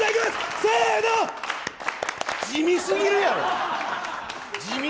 自身すぎるやろ。